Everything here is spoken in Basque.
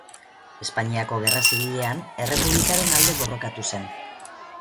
Espainiako Gerra Zibilean, errepublikaren alde borrokatu zen.